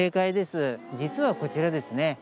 実はこちらですね。